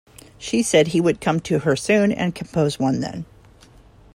She said he would come to her soon and compose one then.